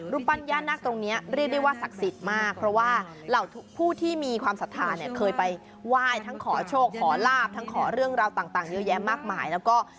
รุปัญญาณาคตรงนี้เรียกได้ว่าศักดิ์สิทธิ์มาก